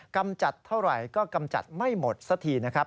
กำจัดเท่าไหร่ก็กำจัดไม่หมดสักทีนะครับ